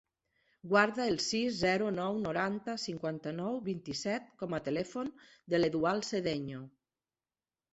Guarda el sis, zero, nou, noranta, cinquanta-nou, vint-i-set com a telèfon de l'Eudald Sedeño.